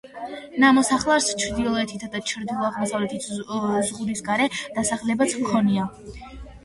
ნამოსახლარს, ჩრდილოეთითა და ჩრდილო-აღმოსავლეთით, ზღუდის გარე დასახლებაც ჰქონია.